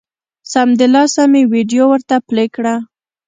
سمدلاسه مې ویډیو ورته پلې کړه